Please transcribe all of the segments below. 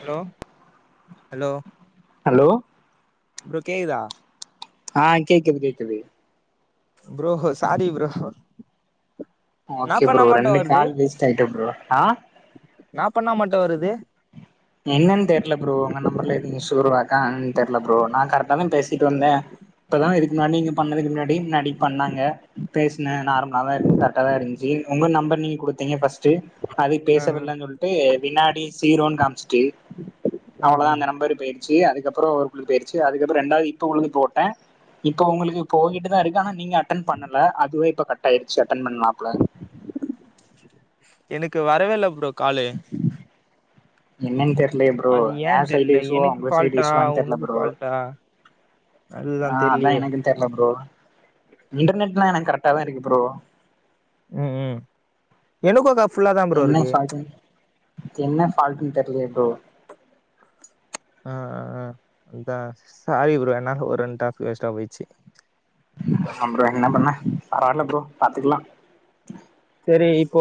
Hello hello hello bro கேக்தா ஆ கேக்குது கேக்குது ப்ரோ சாரி ப்ரோ நா ஓகே பண்ணா ப்ரோ மட்டு ரெண்டு வருது கால் வேஸ்ட் ஆயிட்ட ப்ரோ ஆ நா பண்ணா மட்டு வருது என்னன் தெர்ல ப்ரோ உங்க நம்பர்ல எதுங்க சோருவாக்கா என்னன் தெர்ல ப்ரோ நா கரெக்டா தா பேசிட்டு வந்த இப்பதா இதுக்கு முன்னாடி நீ பண்ணதுக்கு பின்னாடி முன்னாடி பண்ணாங்க பேசுன நார்மலா தா இருந்து கரெக்ட தா இருந்ச்சு உங்க நம்பர் நீங்க குடுத்தீங்க ஃபர்ஸ்ட்டு அது ஆ பேசவில்லன் சொல்ட்டு வினாடி சீரோன் காம்ச்சிட்டு ஆ ஆ அவ்ளோதா அந்த நம்பர் இப்ப எதுக் ச்சி அதுக்கப்றோ ஒரு புள்ளைக் போய்டுச்சு அதுக்கப்பு ரெண்டாவ்து இப்ப உளுக் போட்ட இப்ப உங்குளுக் கு போயிட்டு தா இருக்கு ஆனா நீங்க அட்டன் பண்ணல அதுவே இப்ப கட் ஆயிட்ச்சு அட்டென் பண்லாப்புல எனக்கு வரவே இல்ல ப்ரோ கால்லு என்னன்னு தெர்லயே ப்ரோ அது ஏ ஏன் சைடு தெர்ல இஷ்யூவா எனக்கு உங்க சைடு ஃபால்ட்டா இஷ்யூவான்னு தெர்ல உனக்கு ப்ரோ ஃபால்ட்டா அதுக்கு தா ஆ அதா தெர்லியே எனக்கு தெர்ல ப்ரோ இன்டர்நெட்லா எனக்கு கரெக்டா தா இருக்கு ப்ரோ ம் ம் எனக்கோ தா ஃபுல்லா தா ப்ரோ என்ன இருக்கு ஃபால்ட்டுன் என்ன ஃபால்ட்டுன் தெர்லியே ப்ரோ ஆ ஆ அதுதா சாரி ப்ரோ என்னால ஒரு ரெண் டாஸ்க் வேஸ்ட்டா போச்சு ஆம் ப்ரோ என்ன பண்ண பரவாயில்ல ப்ரோ பாத்துக்கலா செரி இப்போ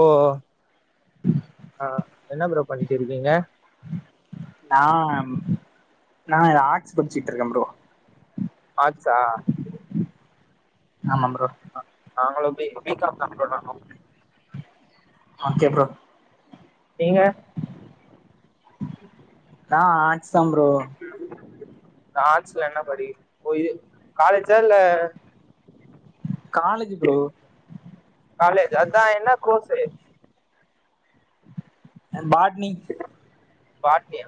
அ என்ன ப்ரோ பண்ணிட்டு இருக்கீங்க நா நா ஆர்ட்ஸ் படிச்சிட்ருக்கே ப்ரோ ஆச்சா ஆமாம் ப்ரோ நாங்களு பி பி காம்தா ப்ரோ நானு ஆக்கே ப்ரோ நீங்க தா ஆர்ட்ஸ்தாம் ப்ரோ ஆர்ட்ஸ்ல என்ன படிகி போயி காலேஜா இல்ல காலேஜி ப்ரோ காலேஜா அதா என்னா கோர்ஸு அ பாட்னி பாட்னியா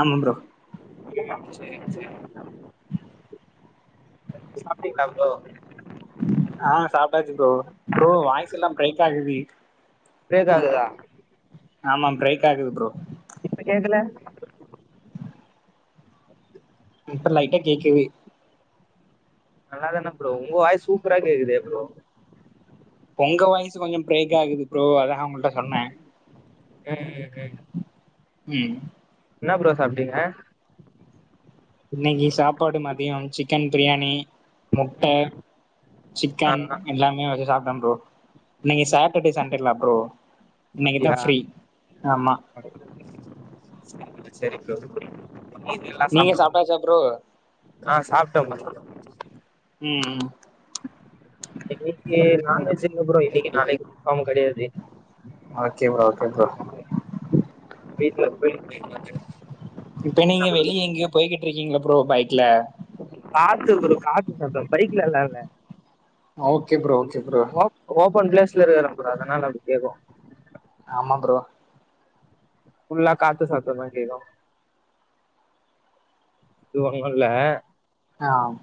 ஆமா ப்ரோ ம் சேர் சே சாப்ட்டீங்ளா ப்ரோ ஆ சாப்ட்டாச்சு ப்ரோ ப்ரோ வாய்ஸ் எல்லாம் பிரைக் ஆகுது பிரேக் ஆகுதா ஆமா பிரைக் ஆகுது ப்ரோ இப்ப கேகல இப்ப லைட்டா கேக்கிது நல்லா தானே ப்ரோ உங்க வாய்ஸ் சூப்பரா கேகுதே ப்ரோ பொங்க வாய்ஸு கொஞ்சோ பிரேக் ஆகுது ப்ரோ அதாம் ஒங்கள்ட சொன்னே ம் ம் ம் என்னா ப்ரோ சாப்ட்டீங்க இன்னைகி சாப்பாடு மதியம் சிக்கன் பிரியாணி முட்ட ஆ சிக்கன் ஆ எல்லாமே வெச்சு சாப்டேம் ப்ரோ இன்னைகி சாட்டர்டே சண்டேல்லா ப்ரோ இன்னைக்குதா ஃப்ரீ ஆமா [unintelligible] சேரி ப்ரோ நீங்க சாப்ட்டாச்சா ப்ரோ ஆ சாப்ட்டோம் ப்ரோ ம் ம் எங்க வீட்லியே நான்வெஜ்ஜி இல்ல ப்ரோ இன்னைகி நாளைகி ஆமு கெடையாது ஓகே ப்ரோ ஓகே ப்ரோ வீட்ல [unintelligible] போய்கிட்ருக்கீங்ள ப்ரோ பைக்ல காத்து ப்ரோ காத்து சத்தோ பைக்லலா இல்ல okay bro okay bro open பிளேஸ்ல இருகறம் ப்ரோ அதனால அப்டி கேகு ஆமா ப்ரோ ஃபுல்லா காத்து சத்தோந் கேகு து ஒன்னுல்ல ஆம்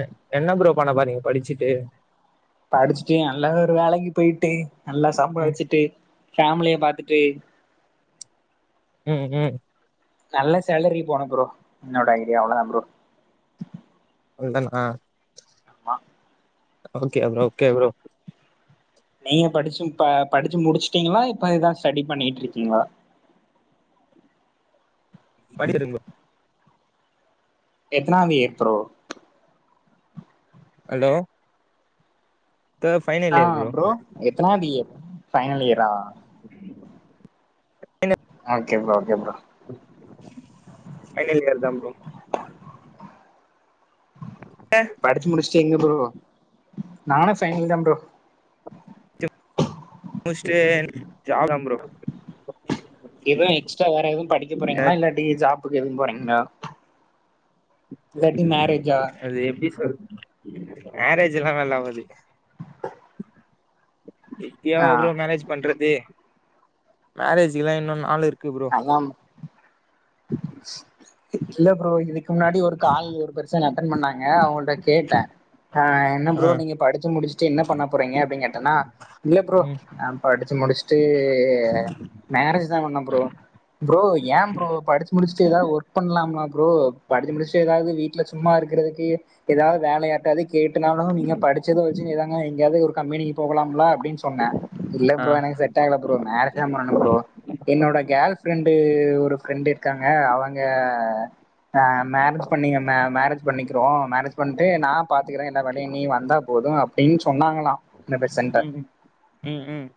ம் என்ன ப்ரோ பண்ண பாரிங்க படிச்சிட்டு படிச்சிட்டு நல்ல ஒரு வேலைகிப் போயிட்டு நல்லா ம் சம்பாதிச்சிட்டு ஃபேமிலிய பாத்துட்டு ம் ம் நல்ல சேலரி போனும் ப்ரோ என்னேட ஐடியா அவள தா ப்ரோ ந்தன் ஆ ஆ ஓகே ப்ரோ ஓகே ப்ரோ நீங்க படிச்சு ப படிச்சும் முடிச்சுட்டீங்களா இப்ப இதா ஸ்டடி பண்ணீட்ருக்கீங்களா படிடுங்க எத்தனா இயர் ப்ரோ அலோ ஆ ப்ரோ எத்தனாவது இயர் ப்ரோ ஃபைனல் இயரா என்ன okay bro okay bro final இயர்தா ப்ரோ படிச்சு முடிசட்டு எங்க ப்ரோ நானு செகண்ட் தா ப்ரோ முஸ்ட்டு ஜாப் தா ப்ரோ எதுவ எக்ஸ்ட்ரா வேற எதுவு படிக்க போறீங்களா இல்லாட்டி ஜாப்புக்கு எதுவு போறீங்களா இல்லாட்டி மேரேஜா அது எப்படி சொ மேரேஜ் எல்லா நல்லவாது ப்பியாவ ஆ ப்ரோ மேரேஜ் பண்றது மேரேஜ்க்கு எல்லா இன்னு நாள் இருக் ஆமம் இல்ல ப்ரோ இது க்கு முன்னாடி ஒரு கால் ஒரு பெருசா அட்டன் பண்ணாங்க அவங்கள்ட்ட கேட்டே ஆ என்ன ஆ ப்ரோ நீங்க படிச்சு முடிச்சுட்டு என்ன பண்ண போறீங்க அப்படின் கேட்டன்னா இல்ல ப்ரோ ம் அப் படிச்சு முடுஸ்ட்டு மேரேஜ் தா பண்ணே ப்ரோ ப்ரோ ஏ ப்ரோ படிச்சு முடிஸ்ட்டு எதாவ ஒர்க் பண்லாம்மா ப்ரோ படிச்சு முடிஸ்ட்டு எதாவது வீ ட்ல சும்மா இருக்கிறதுக்கு எதாவது வேலையாட்டு அதுக் கேட்டுனாலு நீங்க படிச்சத வச்சு நீதாங்க எங்கயாவது ஒரு கம்பினிக் போகலாம்ல அப்படின் சொன்னே இல்ல ஆ ப்ரோ எனக்கு செட் ஆகல ப்ரோ மேரேஜ் தா பண்ணனும் ப்ரோ என்னோட கேல் ஃப்ரெண்டு ஒரு ஃப்ரெண்டு் இருக்காங்க அவங்க ஆ மேரேஜ் பண்ணீங்க மே மேரேஜ் பண்ணிக்கிறோ மேரேஜ் பண்ட்டு நா பாத்துக்குறே எல்லா வேலையு நீ வந்தா போது அப்டின் சொன்னாங்களா இந்த பெஸ் சென்ட ம் ம் ம்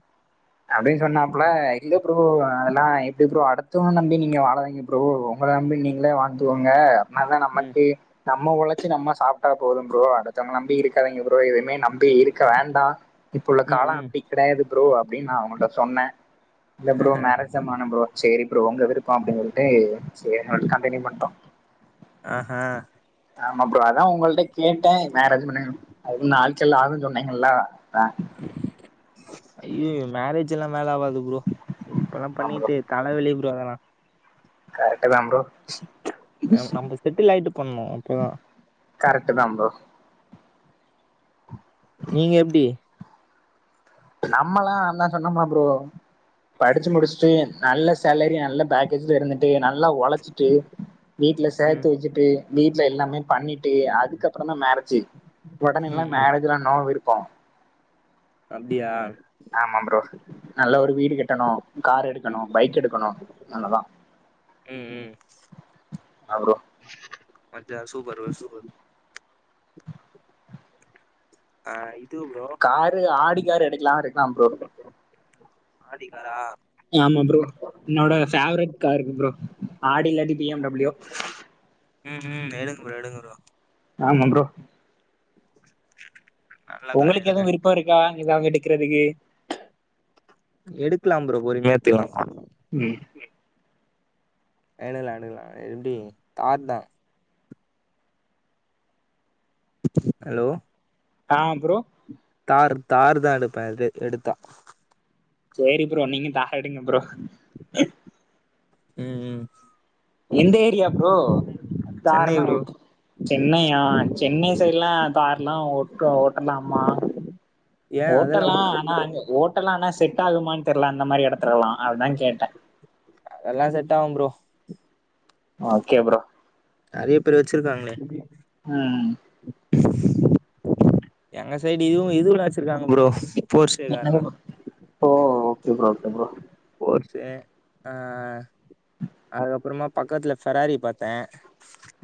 அப்டின் சொன்னாப்புல இல்ல ப்ரோ அ அதெல்லா இப்படி ப்ரோ அடுத்தவங்க நம்பி நீங்க வாழாதீங்க ப்ரோ உங்கள நம்பி நீங்களே வாழ்ந்துக்கோங்க என்ன தா ம் நமக்கு நம்ம உழச்சு நம்ம சாப்ட்டா போதும் ப்ரோ அடுத்தங் நம்பி இருக்காதீங்க ப்ரோ எதுமே நம் பி இருக்க வேண்டா இப்ப உள்ள கால ம் ம் அப்படி கிடையாது ப்ரோ அப்படின் நா அவங்கள்ட்ட சொன்னே இல்ல ப்ரோ மேரேஜ் தா பண்ணும் ப்ரோ சேரி ப்ரோ உங்க விருப்போ அப்டின் சொல்ட்டு சேரின் கண்டியூ பண்ட்டோ ஆ ஆ ஆமா ப்ரோ அதா உங்கள்ட்ட கேட்டே மேரேஜ் பண்ண அது நாட்கள் ஆகுன் சொன்னீங்கல்லா ஐயோயோ மேரேஜ் எல்லா மேல ஆவாது ப்ரோ இப்ப எல்லா ஆமா பண்ணிட்டு தலவலி ப்ரோ அதெல்லா கரெக்ட்டு தா ப்ரோ நம்ம செட்டில் ஆயிட்டு பண்ணு அப்பதா கரெக்ட்டு தா ப்ரோ நீங்க எப்டி நம்மல்லா அண்ணா சொன்னோம்மா ப்ரோ படிச்சு முடிஸ்ட்டு நல்ல சேலரி நல்ல பேக்கேஜ் இருந்துட்டு நல் ல ஒழச்சுட்டு வீட்டுல ம் சேத்து வச்சுட்டு வீட்டுல எல்லாமே பண்ணி டே அதுக்கப்புறம் தா மேரேஜ் ஒடனேல்லா ம் ம் மேரேஜ்லா நோ விருப்போ அப்டியா ஆமா ப்ரோ நல்ல ஒரு வீடு கட்டணும் கார் எடுக்கணும் பைக் எடுக்கணும் அவ்ளோதா ம் ம் ஆ ப்ரோ பாத்தியா சூப்பர் ப்ரோ சூப்பர் ஆ இது ப்ரோ காரு ஆடி காரு எடுக்குலாட்ருக்குலா ப்ரோ ஆடி காரா ஆமா ப்ரோ என்னோட ஃபேவரேட் காருங்க ப்ரோ ஆடி இல்லாட்டி பி எம் டபிள்‌ யூ ம் ம் எடுங்க ப்ரோ எடுங்க ப்ரோ ஆமா ப்ரோ நல்ல கார் உங்களுக்கு எடுங்க எதுவும் விருப்போ இருக்கா இது அவங்க எடுக்குறதுக்கு எடுக்குலாம் ப்ரோ பொறுமியா எத்துக்குலாம் ம் எடுக்குலா எடுக்குலா எப்டி தார் தா ஹலோ ஆ ப்ரோ தார் தாரு தா எடுப்பேன் இது எடுத்தா சேரி ப்ரோ நீங்க தார் எடுங்க ப்ரோ ம் ம் எந்த ஏரியா ப்ரோ தார் சென்னை ல்லா ப்ரோ உட் சென்னையா சென்னை சைட்லா தார் ல்லா ஓட்டோ ஓட்டலாமா ஏ அதெல்லா ஓட்டல்லா ஒன்னு இல்ல ஆனா அங்க ஓட் ட்டலா ஆனா செட் ஆகுமான் தெர்ல அந்த மாரி எடத்துலல்லா அதுதா கேட்டே அதெல்லா செட் ஆவும் ப்ரோ ஓகே ப்ரோ நெறைய பேர் வெச்சுருக்காங்களே ம் எங்க சைடு இதுவும் இதுவுல்லா வெச்சுருக்காங்க ப்ரோ போர்சே என்னங் கார்லா ப்ரோ ஓ okay bro okay bro Porsche ஆ அதுக்கப்புறமா பக்கத்துல ஃபெராரி பாத்தே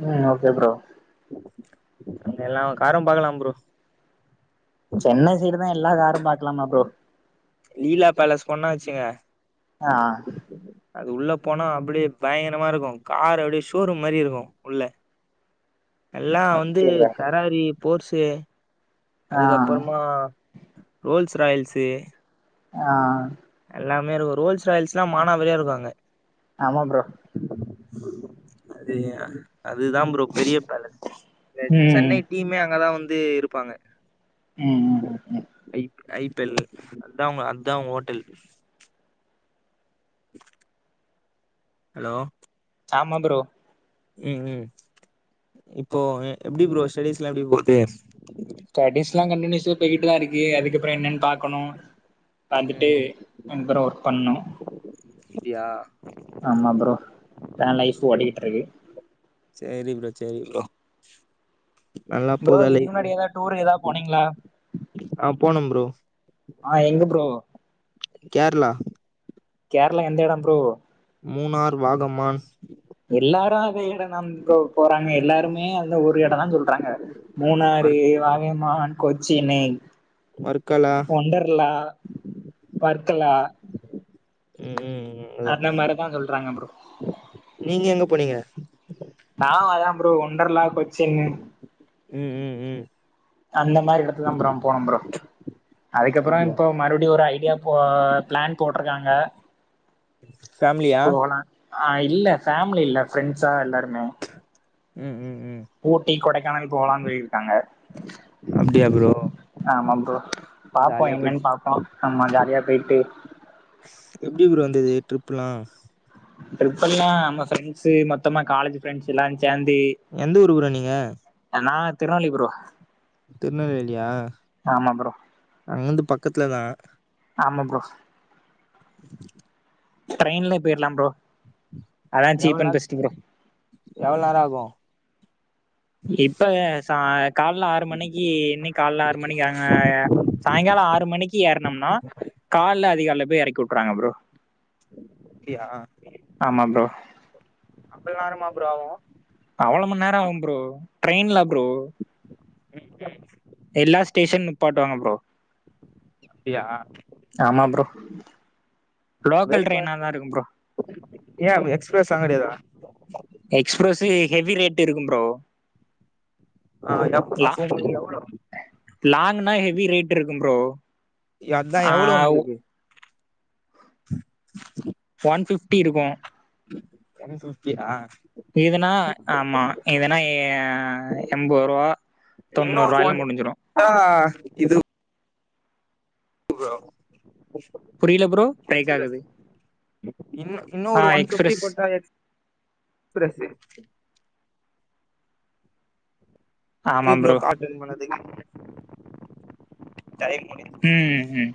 ம் ஓகே ப்ரோ அங்க எல்லா காரும் பாக்கலாம் ப்ரோ சென்னை சைடுதா எல்லா காரும் பாக்குலாமா ப்ரோ லீலா பேலஸ் போண்னா வச்சுங்க ஆ ஆ அது உள்ள போனா அப்புடே பயங்கரமா இருக்கும் கார் அப்புடே ஷோரூம் மாரி இருக்கும் உள்ள எல்லா வந்து சரி ப்ரோ ஃபெராரி போர்ஸு ஆ அதுக்கப்புறமா ரோல்ஸ் ராயில்ஸு ஆ எல்லாமே இருக்கும் ரோல்ஸ் ராயில்ஸ் ல்லா மானாவரியா இருக்கும் அங்க ஆமா ப்ரோ அது அந் அதுதா ப்ரோ பெரிய பேலஸ் இந்த ம் சென்னை டீமே அங்கதா வந்து இருப்பாங்க ம் ம் ஐ ஐ பேல் அதா உங் அதா ஓட்டல் ஹலோ சாமா ப்ரோ ம் ம் இப்போ எ எப்டி ப்ரோ ஸ்டடிஸ்லா எப்டி போது ஸ்டடிஸ்ல்லா கண்டினியூஸ்ஸா போய்கிட்டுதா இருக்கு அதுக்கப்றோ என்னெனு பாக்கணு ம் வந்துட்டு ம் ரெண்டு பேரு ஒர்க் பண்ணோ அப்டியா ஆமா ப்ரோ தா லைஃப் ஓடிகிட் இருக்கு சேரி ப்ரோ சேரி ப்ரோ நல்லா ப்ரோ போதா இதுக்கு லைஃபு முன்னாடி ஏதா டூர் எதா போனீங்ளா ஆ போனே ப்ரோ ஆ எங்க ப்ரோ கேரளா கேரளா எந்த எடோ ப்ரோ மூனார் வாகமான் எல்லாரு அதே எடந்தா ப்ரோ போறாங்க எல்லாருமே அந்த ஒரு எடந்தா சொல்றாங்க மூணாரு வர் வாகைமான் கொச் சினு வர்க்கலா ஒண்டர்லா வர்க்கலா ம்ம்ம் அந்த மார்தா சொல்றாங்க ப்ரோ நீங்க எங்க போனீங்க நா அதா ப்ரோ ஒண்டர்லா கொச்சின்னு ம் ம் ம் அந்த மாரி எடத்துக்குதா ப்ரோ போனோம் ப்ரோ அதுக்கப்றோ அப்டியா இப்போ மறுபடியு ஒரு ஐடியா போ ப்ளன் போட்ருக்காங்க ஃபேமிலியா ஆ இல்ல ஃபேமிலி இல்ல ஃப்ரெண்ட்ஸா எல்லாருமே ம் ம் ம் ஊட்டி கொடைக்கானல் போலான் சொல்லிருக்காங்க அப்டியா ப்ரோ ஆமா ப்ரோ பாப்போ ஜாலியா என்னன் போய்ட் பாப்போ நம்ம ஜாலியா போய்ட்டு எப்டி ப்ரோ இருந்தது ட்ரிப்புலா ட்ரிப்பெல்லா நம்ம ஃபெரெண்ட்ஸு மொத்தமா காலேஜ் ஃப்ரெண்ட்ஸ்ஸுல்லா சேந்து எந்த ஊர் ப்ரோ நீங்க நா திருநவலி ப்ரோ திருநவேலியா ஆமா ப்ரோ அங்கருந்து பக்கத்துல தா ஆமா ப்ரோ ட்ரெயின்லே போய்ர்லா ப்ரோ அதா சீப் அண்ட் பெஸ்ட் ப்ரோ எவ்ள் நேரோ ஆகு இப்ப சா கால்ல ஆறு மணிக்கி இன்னைக் கால்ல ஆறு மணிக்கி ஆ அ சாயங்காலோ ஆறு மணிக்கி ஏறுனோம்னா கால்ல அதிகால்ல பேய் எறக்கி வுட்றாங்க ப்ரோ அப்டியா ஆமா ப்ரோ அப்லா வருமா ப்ரோ அவ்ளோ மண் நேரோ ஆகும் ப்ரோ ட்ரெயின்லா ப்ரோ ம்ம் எல்லா ஸ்டேஷன் நிப்பாட்டுவாங்க ப்ரோ அப்டியா யா ஆமா ப்ரோ லோக்கல் ட்ரெயினா தான் இருக்கும் ப்ரோ ஏன் எக்ஸ்பிரெஸ்லாங் கெடையாதா எக்ஸ்பிரஸு ஹெவி ரேட் இருக்கும் ப்ரோ ஆ அதுக்கப் அப்போ உங்ளுக்கு எவ்ளோ லாங்குனா ஹெவி ரேட் இருக்கும் ப்ரோ இய அதான் ஆ எவ்ளோ உங்ளுக்கு ஒன் ஃபிஃப்டி இருக்கும் ஒன் ஃபிஃப்டியா இதுனா ஆமா இதெனா எய எம்பொ ரூவா தொண்ணூ ரூாவாயில முடிஞ்சிரும் ஆஹ் இது இது ப்ரோ புரியல ப்ரோ பிரேக் எக்ஸ்பிரஸ் ஆகுது இன் இன்னா ஆ ஒரு ஒன் ஃபிஃப்டி எக்ஸ்பிரஸ் போட்டா எஸ் எஸ்பிரஸு நன்றி ப்ரோ கார் டென் பண்ணதுக்கு டைம் முடிஞ்சு ம். ம்.